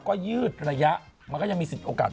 ก็ยืดระยะมันก็ยังมีสิทธิโอกาส